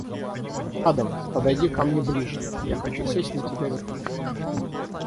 Адам, подойди ко мне ближе, я хочу сесть на тебя верхом.